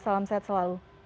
salam sehat selalu